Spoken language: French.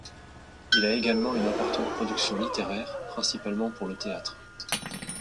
Il a également une importante production littéraire, principalement pour le théâtre.